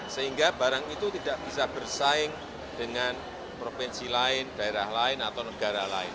sehingga barang itu tidak bisa bersaing dengan provinsi lain daerah lain atau negara lain